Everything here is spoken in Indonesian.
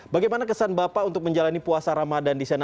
bagaimana kesan bapak untuk menjalani puasa ramadan di sana